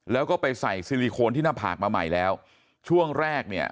แล้วก็ไปใส่ซิลิโคนที่หน้าผากมาใหม่แล้วช่วงแรกเนี่ย